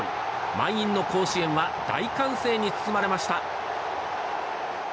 満員の甲子園は大歓声に包まれました。